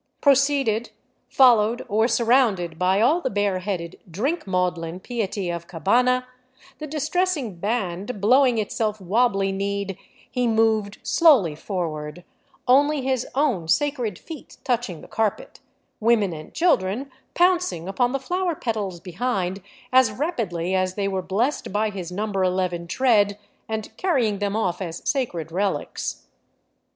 Proceeded, followed, or surrounded by all the bareheaded, drink maudlin piety of Cabana, the distressing " band " blowing itself wobbly kneed, he moved slowly forward, only his own sacred feet touching the carpet, women and children pouncing upon the flower petals behind as rapidly as they were blessed by his number eleven tread, and carrying them off as sacred relics.